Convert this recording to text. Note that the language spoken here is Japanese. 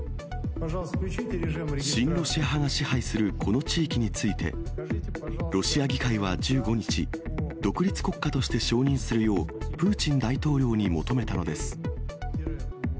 親ロシア派が支配するこの地域について、ロシア議会は１５日、独立国家として承認するようプーチン大統領に求めたのです。